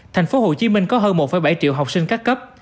tp hcm có hơn một bảy triệu học sinh các cấp